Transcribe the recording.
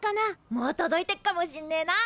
もう届いてっかもしんねえな。